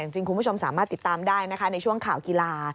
คุณผู้ชมสามารถติดตามได้ในช่วงข่าวกีฬา